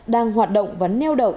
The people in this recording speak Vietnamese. đang hoạt động và neo đậu